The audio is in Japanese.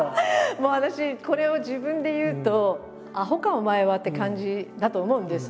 もう私これを自分で言うと「あほかお前は」って感じだと思うんです。